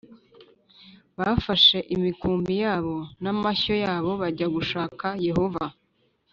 Bafashe imikumbi yabo n amashyo yabo bajya gushaka Yehova